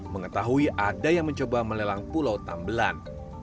mengetahui ada yang mencoba melelang pulau tambelan